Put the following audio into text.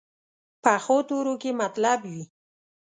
پخو تورو کې مطلب وي